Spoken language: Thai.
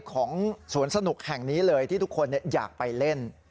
ของสวนสนุกแห่งนี้เลยที่ทุกคนอยากไปเล่น